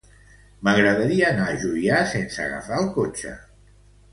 M'agradaria anar a Juià sense agafar el cotxe.